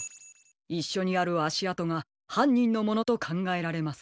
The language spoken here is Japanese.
いっしょにあるあしあとがはんにんのものとかんがえられます。